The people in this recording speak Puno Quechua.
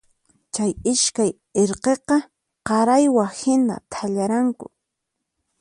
Chay iskay irqiqa qaraywa hina thallaranku.